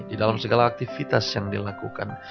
di dalam segala aktivitas yang dilakukan